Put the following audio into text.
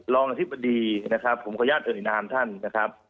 อธิบดีนะครับผมขออนุญาตเอ่ยนามท่านนะครับ